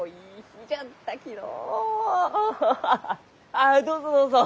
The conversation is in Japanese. ああどうぞどうぞ。